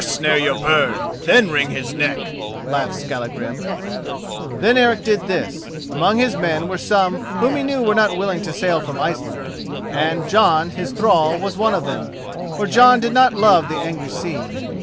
"First snare your bird, then wring his neck," laughed Skallagrim. Then Eric did this: among his men were some who he knew were not willing to sail from Iceland, and Jon, his thrall, was of them, for Jon did not love the angry sea.